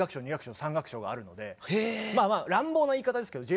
まあまあ乱暴な言い方ですけどえ